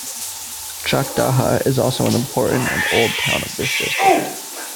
Chakdaha is also an important and old town of this district.